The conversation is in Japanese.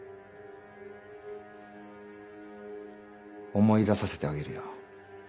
思い出させてあげるよ。